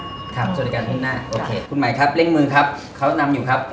สวัสดีการพรุ่งหน้าโอเคคุณหมายครับเร่งมือครับเขานำอยู่ครับ